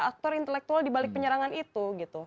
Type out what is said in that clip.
aktor intelektual di balik penyerangan itu